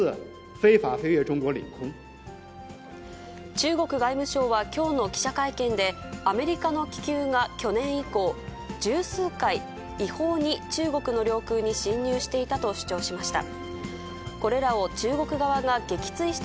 中国外務省はきょうの記者会見で、アメリカの気球が去年以降、十数回違法に中国の領海に侵入していたと主張しました。